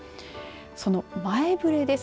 その前触れです。